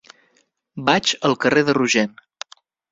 Vaig al carrer de Rogent.